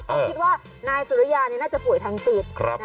ก็คิดว่านายสุริยานี่น่าจะป่วยทางจิต